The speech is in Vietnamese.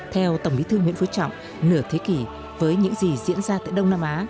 theo tổng bí thư nguyễn phú trọng nửa thế kỷ với những gì diễn ra tại đông nam á